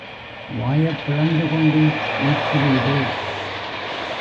வாயைப் பிளந்துகொண்டு நிற்கிறீரே.